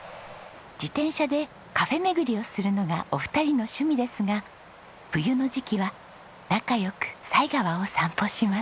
自転車でカフェ巡りをするのがお二人の趣味ですが冬の時期は仲良く犀川を散歩します。